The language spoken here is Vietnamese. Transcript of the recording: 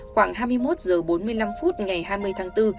khoảng hai mươi một h bốn mươi năm phút ngày hai mươi tháng bốn